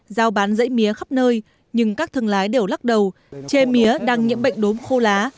giao bán dãy mía khắp nơi nhưng các thương lái đều lắc đầu chế mía đang nhiễm bệnh đốm khô lá